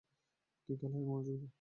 তুই খেলায় মনোযোগ দে!